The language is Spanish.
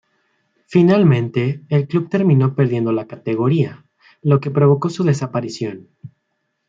Finalmente, el club terminó perdiendo la categoría, lo que provocó su desaparición.